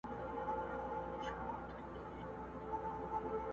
مرګي زده کړی بل نوی چم دی!